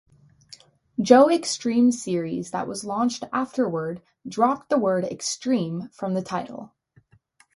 Joe Extreme" series that was launched afterward dropped the word "Extreme" from the title.